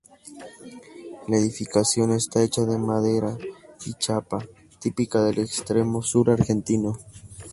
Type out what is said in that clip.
La edificación está hecha de madera y chapa, típica del extremo sur argentino.